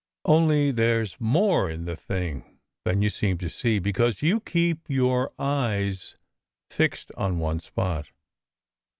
Only there s more in the thing than you seem to see, because you keep your eyes fixed on one spot.